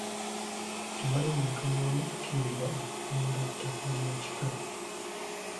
Tewali muntu n'omu akkirizibwa kutunda ttaka lya kika.